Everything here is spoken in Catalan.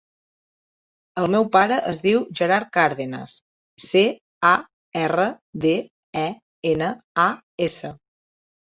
El meu pare es diu Gerard Cardenas: ce, a, erra, de, e, ena, a, essa.